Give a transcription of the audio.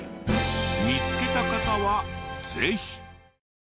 見つけた方はぜひ。